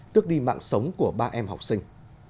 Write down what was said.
tức đi mạng sống của ba em học sinh